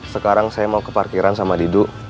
sekarang saya mau ke parkiran sama didu